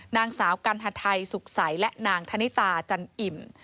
นางสาวกัณฑไทยสุขใสและนางธนิตาจันอิ่ม